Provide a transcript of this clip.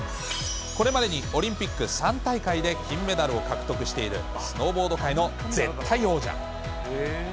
これまでにオリンピック３大会で金メダルを獲得している、スノーボード界の絶対王者。